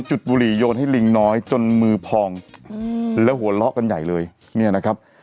บุหรี่โยนให้ลิงน้อยจนมือพองแล้วหัวเราะกันใหญ่เลยเนี่ยนะครับ